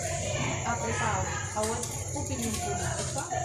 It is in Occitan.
A prepaus, auètz opinon politica?